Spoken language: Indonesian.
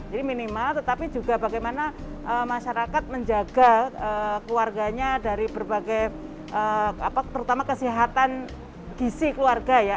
jadi minimal tetapi juga bagaimana masyarakat menjaga keluarganya dari berbagai terutama kesehatan gisi keluarga ya